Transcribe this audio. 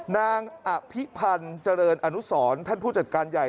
นางอภิพันธ์เจริญอนุสรท่านผู้จัดการใหญ่